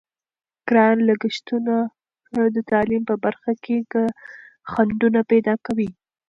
ګران لګښتونه د تعلیم په برخه کې خنډونه پیدا کوي.